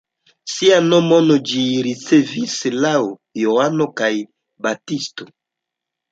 Sian nomon ĝi ricevis laŭ Johano la Baptisto.